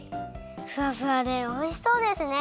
ふわふわでおいしそうですね！